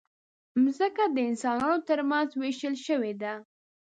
مځکه د انسانانو ترمنځ وېشل شوې ده.